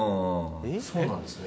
そうなんですね。